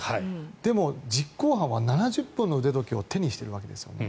でも、実行犯は７０本の腕時計を手にしているわけですよね。